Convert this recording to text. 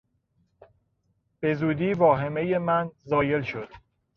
به زودی واهمهی من زایل شد.